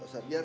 gak usah biar